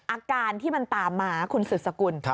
อาการที่มันตามมาคุณสืบสกุล